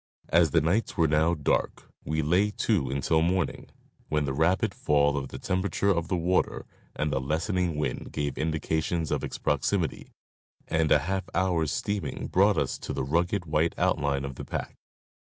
As the nights were now dark we lay to until morning, when the rapid fall of the temperature of the water and the lessening wind gave indications of its proximity, and a half hour's steaming brought us to the rugged white outline of the pack.